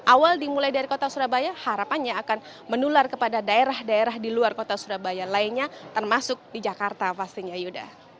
awal dimulai dari kota surabaya harapannya akan menular kepada daerah daerah di luar kota surabaya lainnya termasuk di jakarta pastinya yuda